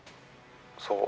「そう」。